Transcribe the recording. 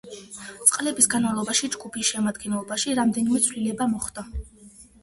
წლების განმავლობაში ჯგუფის შემადგენლობაში რამდენიმე ცვლილება მოხდა.